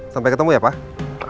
sampai ketemu ya pak